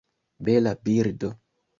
Bela birdo!